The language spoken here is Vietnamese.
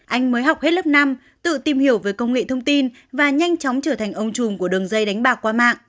anh mới học hết lớp năm tự tìm hiểu về công nghệ thông tin và nhanh chóng trở thành ông chùm của đường dây đánh bạc qua mạng